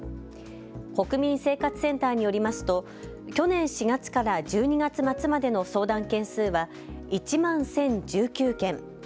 国民生活センターによりますと去年４月から１２月末までの相談件数は１万１０１９件。